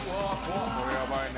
これやばいね。